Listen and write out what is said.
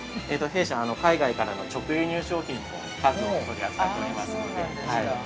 ◆弊社、海外からの直輸入商品も数多く取り扱っておりますので。